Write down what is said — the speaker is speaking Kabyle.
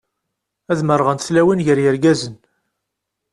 Ad merrɣent tlawin gar yirgazen.